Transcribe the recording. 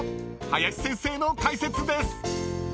林先生の解説です］